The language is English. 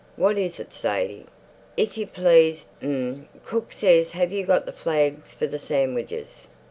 "What is it, Sadie?" "If you please, m'm, cook says have you got the flags for the sandwiches?"